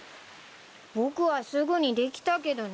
僕はすぐにできたけどな。